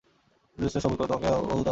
আর দুটো দিন সবুর করো, খবর তোমাকে দিতে পারব।